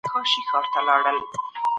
د محلي مشرانو رول څه و؟